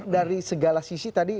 dari segala sisi tadi